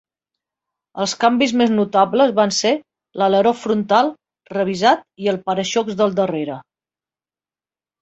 Els canvis més notables van ser l'aleró frontal revisat i el para-xocs del darrere.